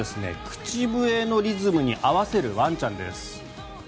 口笛のリズムに合わせるワンちゃんです。